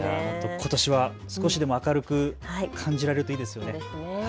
ことしは少しでも明るく感じられるといいですね。